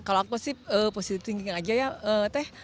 kalau aku sih positif tinggi aja ya teh